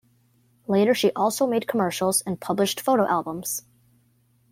Later she also made commercials and published photo albums.